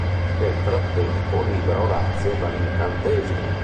Nel frattempo libera Orazio dall'incantesimo.